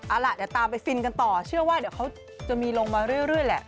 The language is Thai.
เอาล่ะเดี๋ยวตามไปฟินกันต่อเชื่อว่าเดี๋ยวเขาจะมีลงมาเรื่อยแหละ